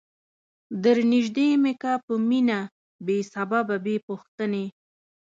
درنیژدې می که په مینه بې سببه بې پوښتنی